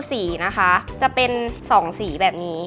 สีนะคะจะเป็น๒สีแบบนี้